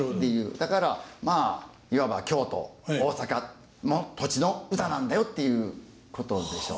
だからまあいわば京都大阪の土地の唄なんだよっていうことでしょうね。